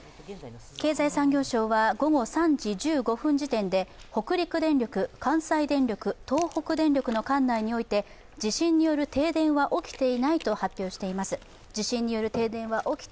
経済産業省は午後３時１５分時点で北陸電力、関西電力、東北電力の管内において地震による停電は起きていないと発表しています。